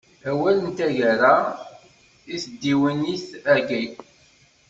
Awal n taggara i tdiwennit-agi.